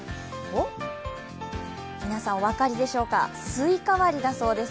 皆さん、お分かりでしょうかスイカ割りだそうです。